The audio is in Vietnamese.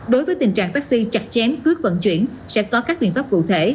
đối với tình trạng taxi chặt chén cướp vận chuyển sẽ có các biện pháp cụ thể